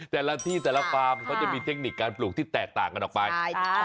แต่ละที่แต่ละฟาร์มเขาจะมีเทคนิคการปลูกที่แตกต่างกันออกไป